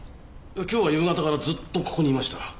今日は夕方からずっとここにいました。